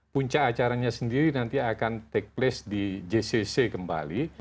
puncak acaranya sendiri nanti akan take place di jcc kembali